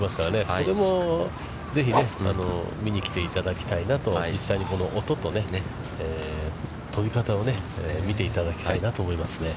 それもぜひ見に来ていただきたいなと、実際にこの音とね、飛び方を見ていただきたいなと思いますね。